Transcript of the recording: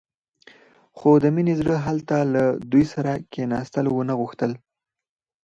خو د مينې زړه هلته له دوی سره کښېناستل ونه غوښتل.